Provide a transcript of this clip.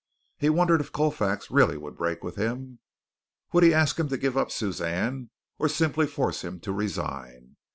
He wondered if Colfax really would break with him. Would he ask him to give up Suzanne, or simply force him to resign?